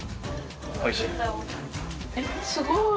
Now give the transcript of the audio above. すごい！